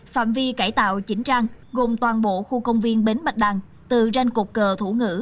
phạm vi cải tạo chỉnh trang gồm toàn bộ khu công viên bến bạch đằng từ ranh cục cờ thủ ngữ